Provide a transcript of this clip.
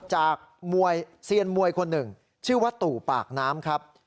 จากมวยเซียนมวยคนหนึ่งชื่อว่าตู่ปากน้ำครับ